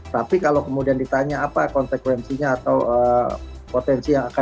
tapi kalau kemudian ditanya apa konsekuensinya atau potensi yang akan